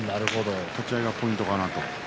立ち合いがポイントかなと。